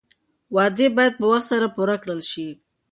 وعدې باید په وخت سره پوره کړل شي.